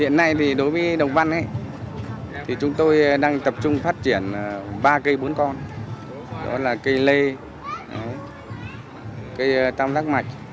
hiện nay thì đối với đồng văn thì chúng tôi đang tập trung phát triển ba cây bốn con đó là cây lê cây tam giác mạch